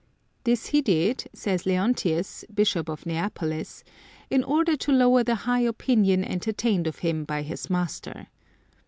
This he did, says Leontius, Bishop of Neapolis, in order to lower the high opinion entertained of him by his master.